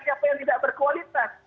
siapa yang tidak berkualitas